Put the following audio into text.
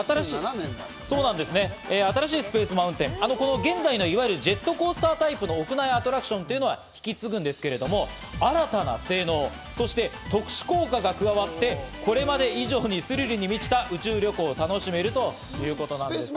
新しいスペース・マウンテン、現在のいわゆるジェットコースタータイプの屋内アトラクションというのは引き継ぐんですけど、新たな性能、そして特殊効果が加わって、これまで以上にスリルに満ちた宇宙旅行を楽しめるということなんです。